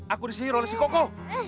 aku disini role si koko